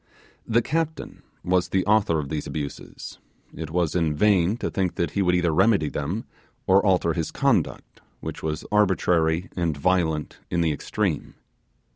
The captain was the author of the abuses; it was in vain to think that he would either remedy them, or alter his conduct, which was arbitrary and violent in the extreme.